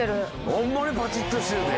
ホンマにパチッとしてるで。